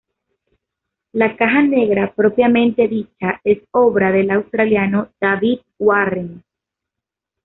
La caja negra propiamente dicha es obra del australiano David Warren.